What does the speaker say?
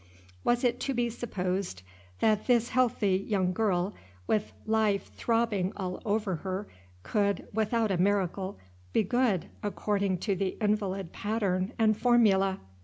Was it to be supposed that this healthy young girl, with life throbbing all over her, could, without a miracle, be good according to the invalid pattern and formula?